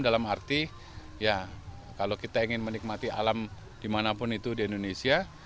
dalam arti ya kalau kita ingin menikmati alam dimanapun itu di indonesia